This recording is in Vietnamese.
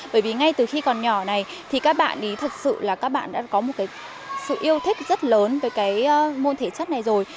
bởi vì ngay từ khi còn nhỏ này thì các bạn ý thật sự là các bạn đã có một cái sự yêu thích rất lớn với cái môn thể chất này rồi